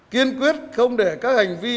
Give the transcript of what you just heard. kiên quyết không để các hành vi